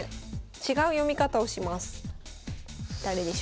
違う読み方をします。